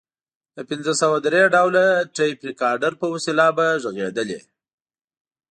د پنځه سوه درې ډوله ټیپ ریکارډر په وسیله به غږېدلې.